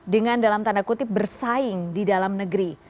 dengan dalam tanda kutip bersaing di dalam negeri